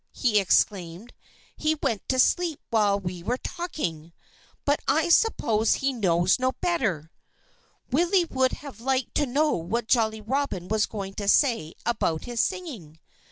he exclaimed. "He went to sleep while we were talking. But I suppose he knows no better." Willie would have liked to know what Jolly Robin was going to say about his singing.